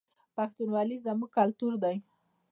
پښتونولي زموږ کلتور دی